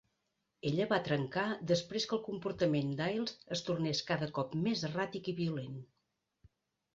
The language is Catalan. Ella va trencar després que el comportament d'Ails es tornés cada cop més erràtic i violent.